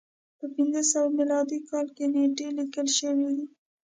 په پنځه سوه میلادي کال کې نېټې لیکل شوې دي.